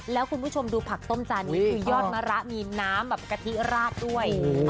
แล้วคุณผู้ชมดูผักต้มจานนี้คือยอดมะระมีน้ำแบบกะทิราดด้วย